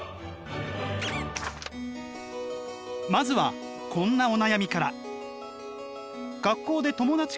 まずはこんなお悩みから。